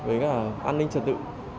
với cả an ninh trật tự